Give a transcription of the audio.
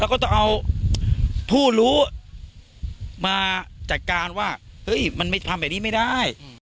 แล้วก็ต้องเอาผู้รู้มาจัดการว่าเฮ้ยมันไม่ทำแบบนี้ไม่ได้